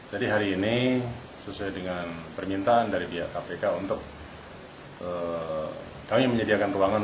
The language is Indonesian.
hari ini sesuai dengan permintaan dari pihak kpk untuk kami menyediakan ruangan